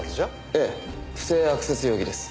ええ不正アクセス容疑です。